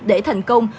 để thành công